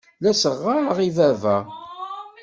La as-ɣɣareɣ i baba.